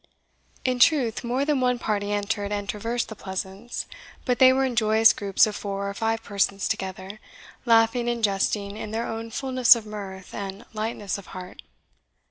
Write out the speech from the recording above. In truth, more than one party entered and traversed the Pleasance. But they were in joyous groups of four or five persons together, laughing and jesting in their own fullness of mirth and lightness of heart.